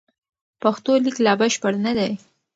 پښتو لیک لا بشپړ نه دی.